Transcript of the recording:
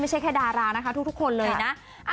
ไม่ใช่แค่ดารานะคะทุกคนเลยนะ